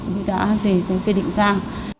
đúng cái định thang